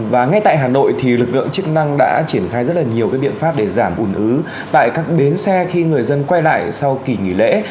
và ngay tại hà nội thì lực lượng chức năng đã triển khai rất là nhiều cái biện pháp để giảm ủn ứ tại các bến xe khi người dân quay lại sau kỳ nghỉ lễ